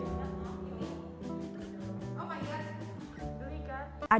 oh my god berikut ikan